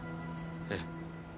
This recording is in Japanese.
ええ。